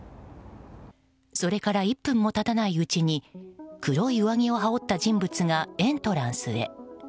それから１分も経たないうちに黒い上着を羽織った人物がエントランスへ。